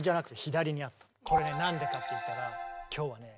これね何でかっていったら今日はね